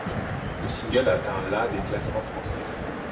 Le single atteint la des classements français.